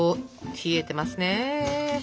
冷えてますね。